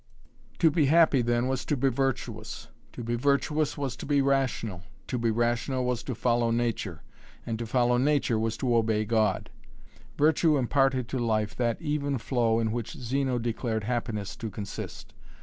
To be happy then was to be virtuous, to be virtuous was to be rational, to be rational was to follow Nature, and to follow Nature was to obey God. Virtue imparted to life that even flow in which Zeno declared happiness to consist.